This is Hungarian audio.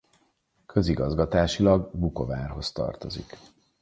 Közigazgatásilag Vukovárhoz tartozik.